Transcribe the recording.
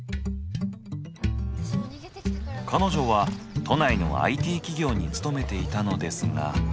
彼女は都内のＩＴ企業に勤めていたのですが。